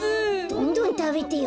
どんどんたべてよ。